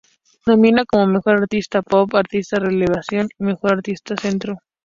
Nominada como Mejor Artista Pop, Artista Revelación y Mejor Artista Centro.